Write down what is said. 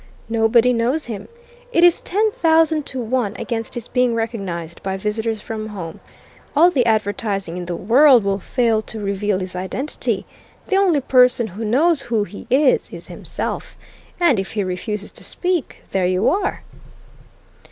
Nobody knows him. It is ten thousand to one against his being recognized by visitors from home. All the advertising in the world will fail to reveal his identity. The only person who knows who he is is himself. And if he refuses to speak there you are!"